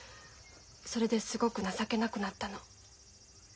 それですごく情けなくなったの。